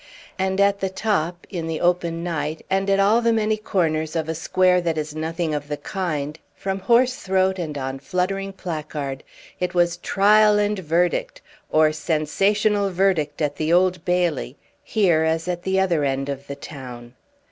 And at the top, in the open night, and at all the many corners of a square that is nothing of the kind, from hoarse throat and on fluttering placard, it was "Trial and Verdict," or "Sensational Verdict at the Old Bailey," here as at the other end of the town.